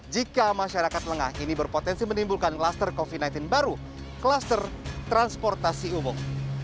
jika masyarakat lengah ini berpotensi menimbulkan kluster covid sembilan belas baru kluster transportasi umum